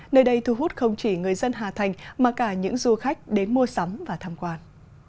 nơi đây thu hút không chỉ người dân hà thành mà cả những du khách đến mua sắm và tham quan